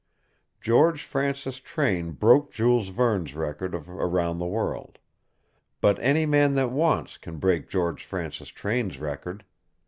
George Francis Train broke Jules Verne's record of around the world. But any man that wants can break George Francis Train's record.